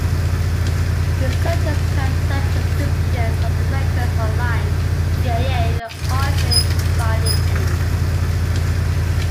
Researchers can search descriptions of the records online, via the Archway finding aid.